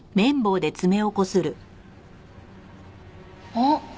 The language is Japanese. あっ！